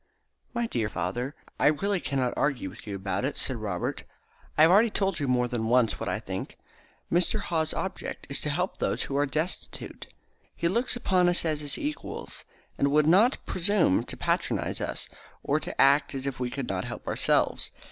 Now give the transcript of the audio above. "My dear father, I really cannot argue with you about it," said Robert. "I have already told you more than once what I think. Mr. Haw's object is to help those who are destitute. He looks upon us as his equals, and would not presume to patronise us, or to act as if we could not help ourselves.